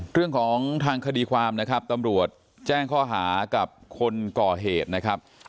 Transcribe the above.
เรื่องของทางคดีความนะครับตำรวจแจ้งข้อหากับคนก่อเหตุนะครับ